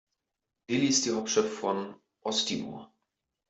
Dili ist die Hauptstadt von Osttimor.